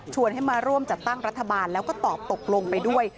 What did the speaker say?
ให้มาร่วมจัดตั้งรัฐบาลแล้วก็ตอบตกลงไปด้วย